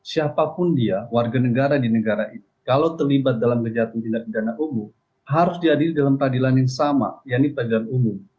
siapapun dia warga negara di negara ini kalau terlibat dalam kejahatan tindak pidana umum harus diadili dalam peradilan yang sama yaitu peradilan umum